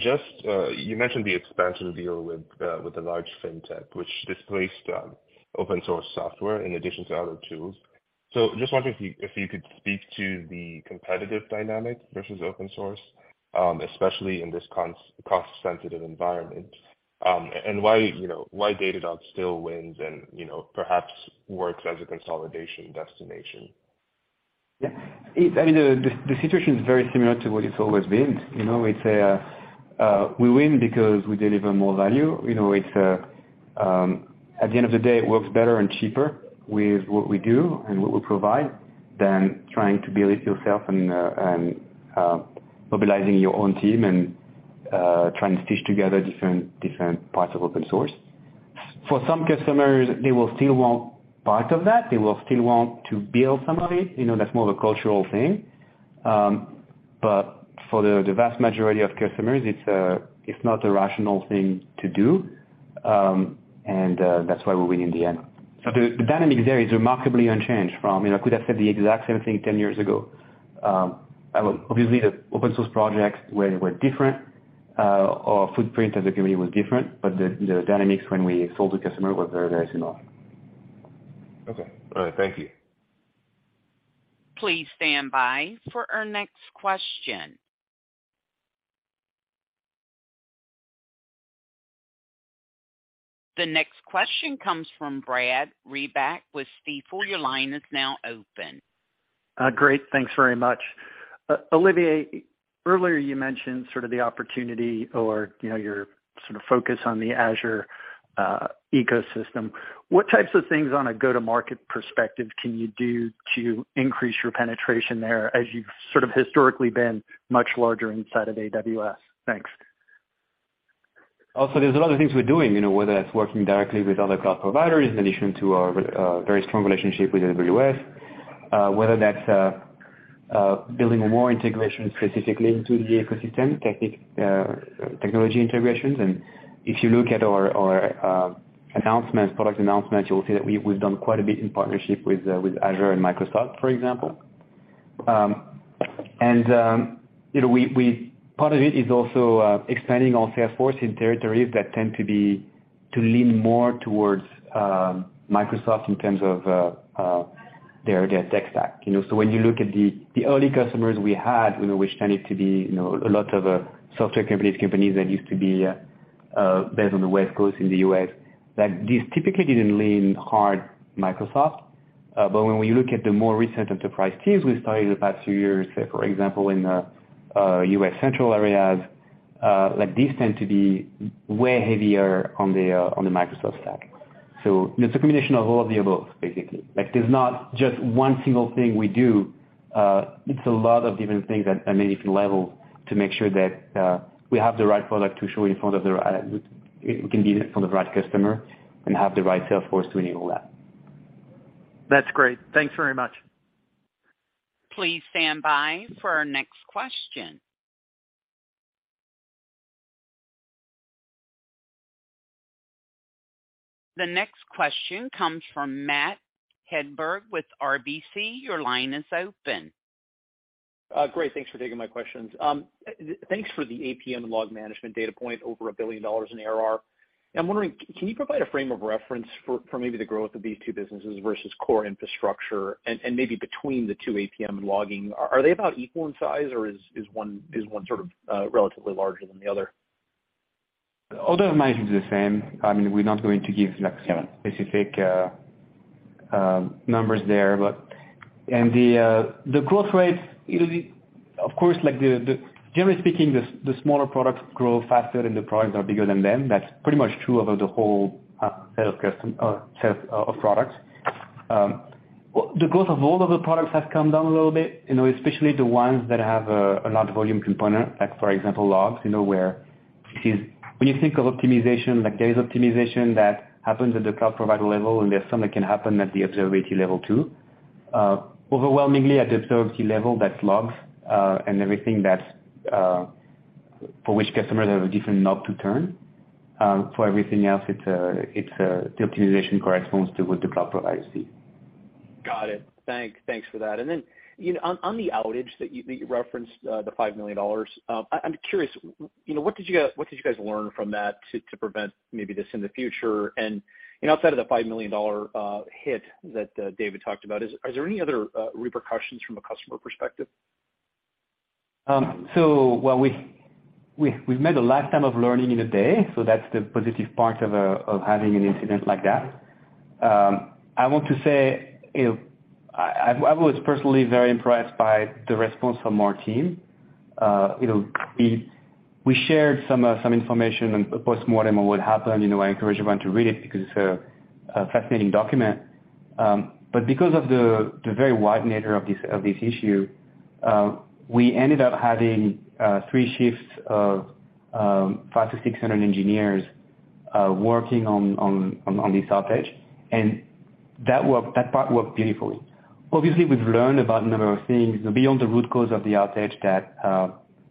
Just, you mentioned the expansion deal with the large fintech, which displaced open source software in addition to other tools. Just wondering if you, if you could speak to the competitive dynamic versus open source, especially in this cost-sensitive environment. Why, you know, why Datadog still wins and, you know, perhaps works as a consolidation destination. Yeah. I mean, the situation is very similar to what it's always been. You know, it's a, we win because we deliver more value. You know, at the end of the day, it works better and cheaper with what we do and what we provide than trying to build it yourself and mobilizing your own team and trying to stitch together different parts of open source. For some customers, they will still want part of that. They will still want to build some of it. You know, that's more of a cultural thing. For the vast majority of customers, it's not a rational thing to do. That's why we win in the end. The dynamic there is remarkably unchanged from, you know, I could have said the exact same thing 10 years ago. Obviously, the open source projects were different, our footprint as a community was different, but the dynamics when we sold to customer were very, very similar. Okay. All right, thank you. Please stand by for our next question. The next question comes from Brad Reback with Stifel. Your line is now open. Great. Thanks very much. Olivier, earlier you mentioned sort of the opportunity or, you know, your sort of focus on the Azure ecosystem. What types of things on a go-to-market perspective can you do to increase your penetration there as you've sort of historically been much larger inside of AWS? Thanks. Also, there's a lot of things we're doing, you know, whether that's working directly with other cloud providers in addition to our very strong relationship with AWS. Whether that's building more integration specifically into the ecosystem, technology integrations. If you look at our product announcements, you'll see that we've done quite a bit in partnership with Azure and Microsoft, for example. And, you know, Part of it is also expanding our sales force in territories that tend to lean more towards Microsoft in terms of their tech stack. You know, when you look at the early customers we had, you know, which tended to be, you know, a lot of software companies that used to be based on the West Coast in the U.S., that these typically didn't lean hard Microsoft. When we look at the more recent enterprise teams we studied the past few years, say, for example, in U.S. central areas, like these tend to be way heavier on the Microsoft stack. It's a combination of all of the above, basically. Like, there's not just one single thing we do. It's a lot of different things at many different levels to make sure that, we have the right product to show in front of the right customer and have the right sales force to enable that. That's great. Thanks very much. Please stand by for our next question. The next question comes from Matthew Hedberg with RBC. Your line is open. Great. Thanks for taking my questions. Thanks for the APM Log Management data point over $1 billion in ARR. I'm wondering, can you provide a frame of reference for maybe the growth of these two businesses versus core infrastructure and maybe between the two APM and logging? Are they about equal in size or is one sort of relatively larger than the other? Order of magnitude is the same. I mean, we're not going to give, like, specific numbers there. The growth rates, it'll be. Of course, generally speaking, the smaller products grow faster than the products that are bigger than them. That's pretty much true about the whole set of products. The growth of all of the products has come down a little bit, you know, especially the ones that have a large volume component, like for example, logs, you know, where it is. When you think of optimization, like there is optimization that happens at the cloud provider level, and there's some that can happen at the observability level too. Overwhelmingly at the third key level that's logs, and everything that's for which customers have a different knob to turn. For everything else, it's, the optimization corresponds to, with the cloud provider you see. Got it. Thanks for that. You know, on the outage that you, that you referenced, the $5 million. I'm curious, you know, what did you guys learn from that to prevent maybe this in the future? You know, outside of the $5 million hit that David talked about, is there any other repercussions from a customer perspective? Well we've, we've made a lifetime of learning in a day, so that's the positive part of having an incident like that. I want to say, you know, I was personally very impressed by the response from our team. You know, we shared some information on a postmortem on what happened. You know, I encourage everyone to read it because it's a fascinating document. Because of the very wide nature of this issue, we ended up having three shifts of 500-600 engineers working on this outage. That worked, that part worked beautifully. Obviously, we've learned about a number of things beyond the root cause of the outage that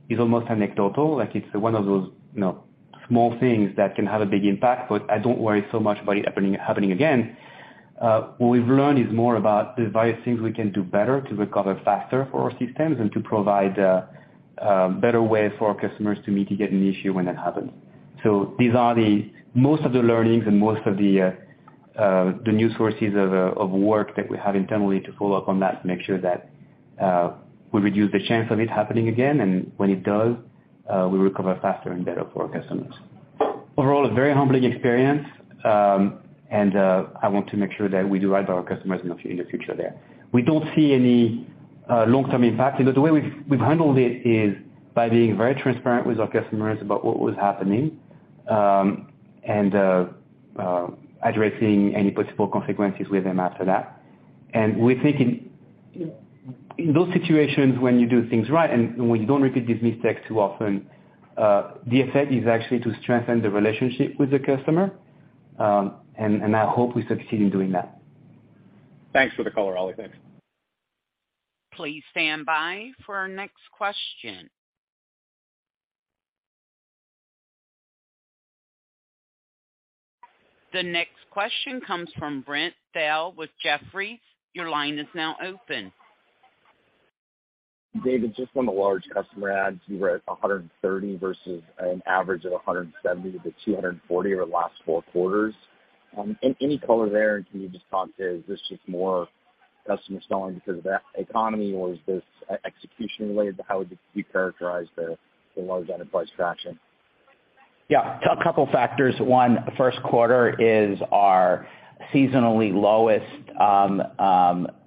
is almost anecdotal. Like it's one of those, you know, small things that can have a big impact, but I don't worry so much about it happening again. What we've learned is more about the various things we can do better to recover faster for our systems and to provide a better way for our customers to mitigate an issue when that happens. These are the most of the learnings and most of the new sources of work that we have internally to follow up on that to make sure that we reduce the chance of it happening again, and when it does, we recover faster and better for our customers. Overall, a very humbling experience, and I want to make sure that we do right by our customers in the future there. We don't see any long-term impact, because the way we've handled it is by being very transparent with our customers about what was happening, and addressing any possible consequences with them after that. We think in those situations when you do things right and when you don't repeat these mistakes too often, the effect is actually to strengthen the relationship with the customer. I hope we succeed in doing that. Thanks for the color, Oli. Thanks. Please stand by for our next question. The next question comes from Brent Thill with Jefferies. Your line is now open. David, just on the large customer adds, you were at 130 versus an average of 170 to 240 over the last 4 quarters. Any, any color there? Can you just talk to this is more customer selling because of the economy, or is this execution related? How would you characterize the large enterprise traction? Yeah. A couple factors. One, Q1 is our seasonally lowest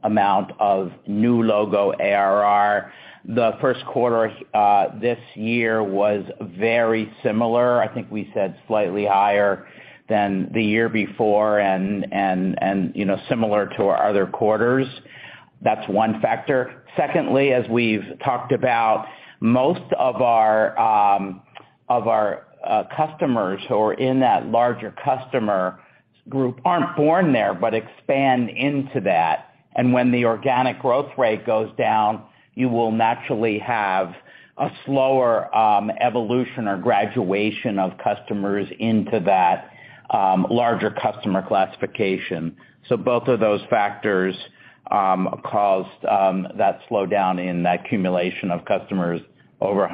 amount of new logo ARR. The Q1 this year was very similar. I think we said slightly higher than the year before and, you know, similar to our other quarters. That's one factor. Secondly, as we've talked about, most of our customers who are in that larger customer group aren't born there, but expand into that. When the organic growth rate goes down, you will naturally have a slower evolution or graduation of customers into that larger customer classification. Both of those factors caused that slowdown in that accumulation of customers over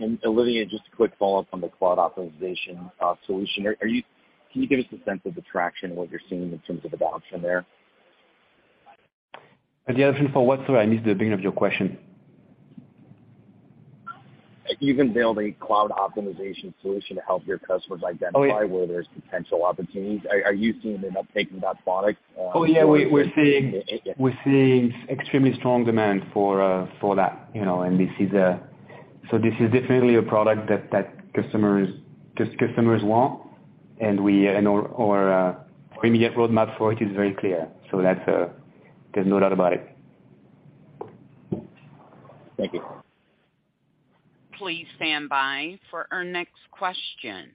$100,000. Olivier, just a quick follow-up on the cloud optimization solution. Can you give us a sense of the traction and what you're seeing in terms of adoption there? The adoption for what? Sorry, I missed the beginning of your question. You can build a cloud optimization solution to help your customers. Oh, yeah. where there's potential opportunities. Are you seeing an uptake in that product? Oh, yeah, we're seeing. Yeah. We're seeing extremely strong demand for that, you know. This is definitely a product that customers want. We, and our immediate roadmap for it is very clear. That's, there's no doubt about it. Thank you. Please stand by for our next question.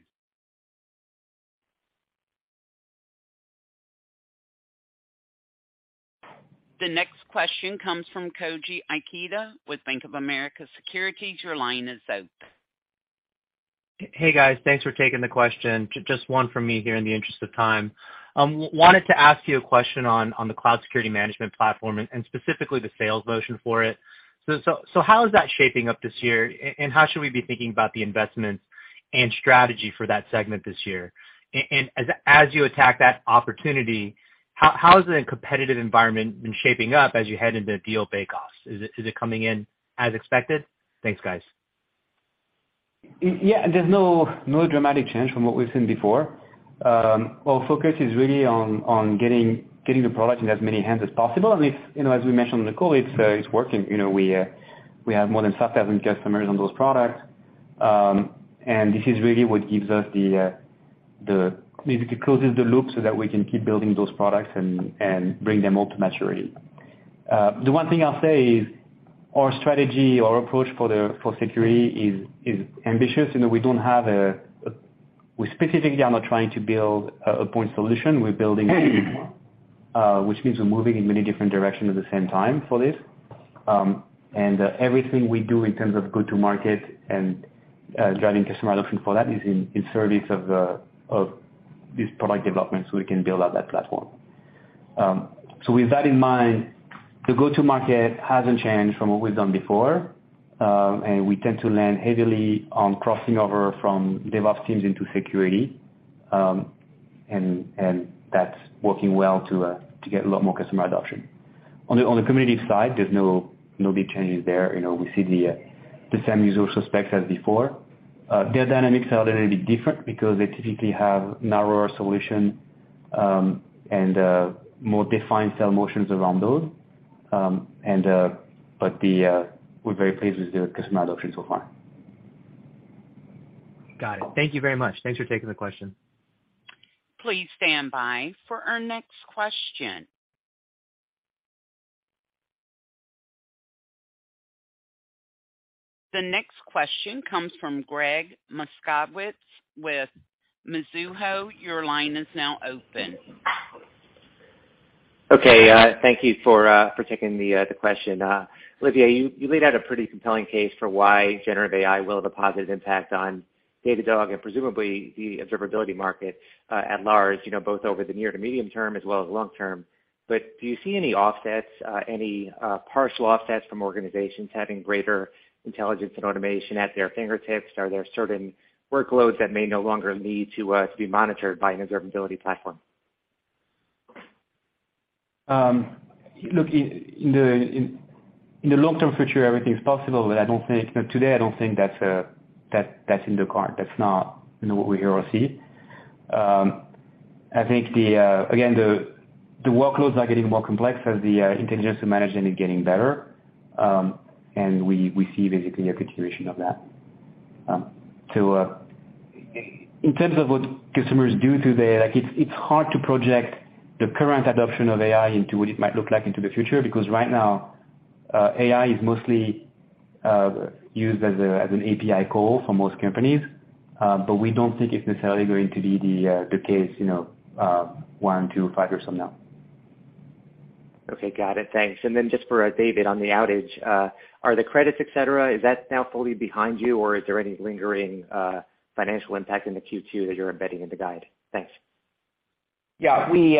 The next question comes from Koji Ikeda with Bank of America Securities. Your line is open. Hey, guys. Thanks for taking the question. Just one from me here in the interest of time. wanted to ask you a question on the Cloud Security Management platform and specifically the sales motion for it. how is that shaping up this year? how should we be thinking about the investments and strategy for that segment this year? as you attack that opportunity, how is the competitive environment been shaping up as you head into the deal bake-offs? Is it coming in as expected? Thanks, guys. Yeah. There's no dramatic change from what we've seen before. Our focus is really on getting the product in as many hands as possible. It's, you know, as we mentioned on the call, it's working. You know, we have more than 5,000 customers on those products. This is really what gives us the basically closes the loop so that we can keep building those products and bring them all to maturity. The one thing I'll say is our strategy, our approach for security is ambitious in that we don't have we specifically are not trying to build a point solution. We're building, which means we're moving in many different directions at the same time for this. Everything we do in terms of go-to market and driving customer adoption for that is in service of these product developments so we can build out that platform. With that in mind, the go-to market hasn't changed from what we've done before. We tend to land heavily on crossing over from DevOps teams into security. That's working well to get a lot more customer adoption. On the community side, there's no big changes there. You know, we see the same usual suspects as before. Their dynamics are a little bit different because they typically have narrower solution and more defined sell motions around those. We're very pleased with the customer adoption so far. Got it. Thank you very much. Thanks for taking the question. Please stand by for our next question. The next question comes from Gregg Moskowitz with Mizuho. Your line is now open. Thank you for taking the question. Olivier, you laid out a pretty compelling case for why generative AI will have a positive impact on Datadog and presumably the observability market at large, you know, both over the near to medium term as well as long term. Do you see any offsets, any partial offsets from organizations having greater intelligence and automation at their fingertips? Are there certain workloads that may no longer need to be monitored by an observability platform? Look, in the long-term future, everything is possible. Today, I don't think that's in the card. That's not, you know, what we hear or see. I think the again, the workloads are getting more complex as the intelligence and management is getting better. We see basically a continuation of that. In terms of what customers do today, like, it's hard to project the current adoption of AI into what it might look like into the future because right now, AI is mostly used as an API call for most companies. We don't think it's necessarily going to be the case, you know, 1, 2, 5 years from now. Okay. Got it. Thanks. Just for David on the outage, are the credits, et cetera, is that now fully behind you, or is there any lingering, financial impact in the Q2 that you're embedding in the guide? Thanks. Yeah. We,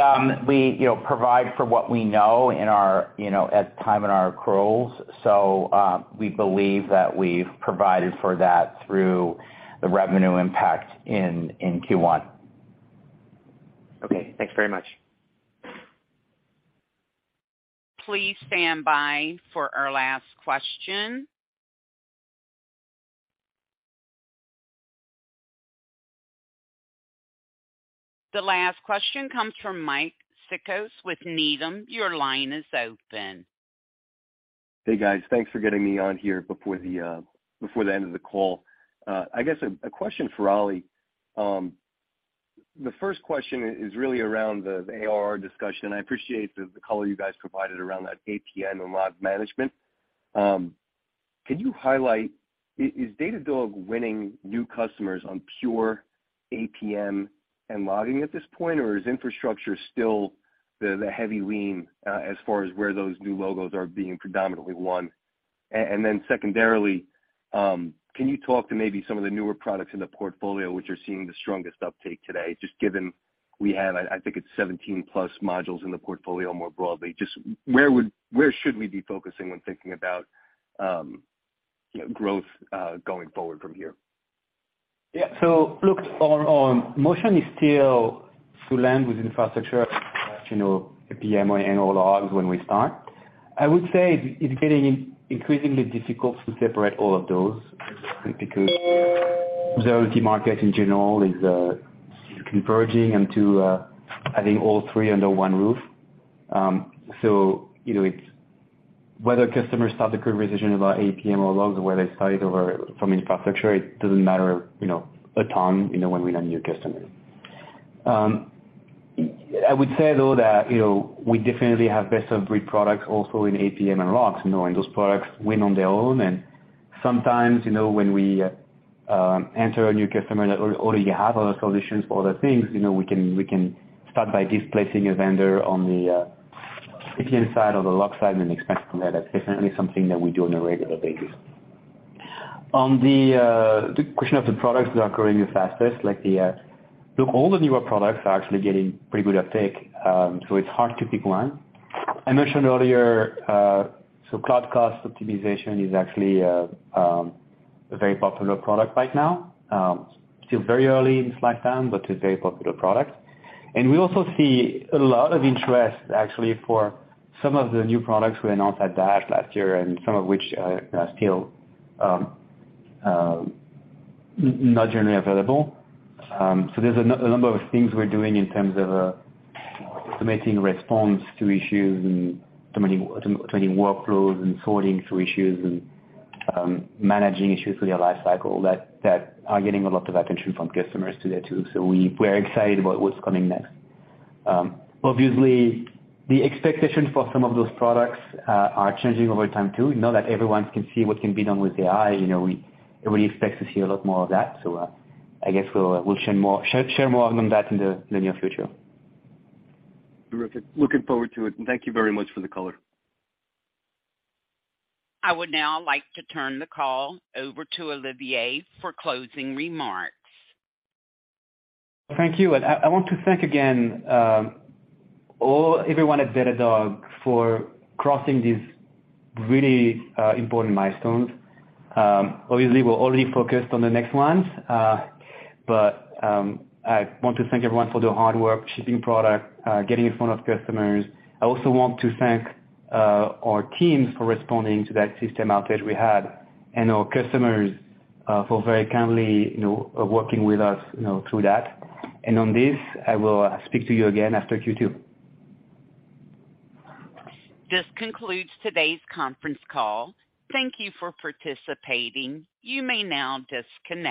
you know, provide for what we know in our, you know, at time in our accruals. We believe that we've provided for that through the revenue impact in Q1. Okay. Thanks very much. Please stand by for our last question. The last question comes from Mike Cikos with Needham. Your line is open. Hey, guys. Thanks for getting me on here before the end of the call. I guess a question for Oli. The first question is really around the ARR discussion. I appreciate the color you guys provided around that APM and Log Management. Can you highlight is Datadog winning new customers on pure APM and logging at this point, or is infrastructure still the heavy lean as far as where those new logos are being predominantly won? Then secondarily, can you talk to maybe some of the newer products in the portfolio which are seeing the strongest uptake today, just given we have, I think it's 17+ modules in the portfolio more broadly. Just where should we be focusing when thinking about, you know, growth going forward from here? Yeah. Look, motion is still to land with infrastructure, you know, APM and/or logs when we start. I would say it's getting increasingly difficult to separate all of those because the observability market in general is converging into, I think, all three under one roof. You know, it's whether customers start the conversation about APM or logs or whether they start it over from infrastructure, it doesn't matter, you know, a ton, you know, when we land new customers. I would say though that, you know, we definitely have best-of-breed products also in APM and logs, you know, and those products win on their own. Sometimes, you know, when we enter a new customer that already have other solutions for other things, you know, we can start by displacing a vendor on the APM side or the log side and expand from there. That's definitely something that we do on a regular basis. On the question of the products that are growing the fastest. Look, all the newer products are actually getting pretty good uptake, so it's hard to pick one. I mentioned earlier. Cloud Cost Management is actually a very popular product right now. Still very early in Cloud SIEM, but it's a very popular product. We also see a lot of interest actually for some of the new products we announced at Dash last year and some of which are still not generally available. There's a number of things we're doing in terms of automating response to issues and automating workflows and sorting through issues and managing issues through their lifecycle that are getting a lot of attention from customers today too. We're excited about what's coming next. Obviously, the expectations for some of those products are changing over time too. Now that everyone can see what can be done with AI, you know, we, everybody expects to see a lot more of that. I guess we'll share more on that in the near future. Terrific. Looking forward to it, and thank you very much for the color. I would now like to turn the call over to Olivier for closing remarks. Thank you. I want to thank again, everyone at Datadog for crossing these really important milestones. Obviously, we're already focused on the next ones. I want to thank everyone for the hard work, shipping product, getting in front of customers. I also want to thank our teams for responding to that system outage we had and our customers for very kindly, you know, working with us, you know, through that. On this, I will speak to you again after Q2. This concludes today's conference call. Thank you for participating. You may now disconnect.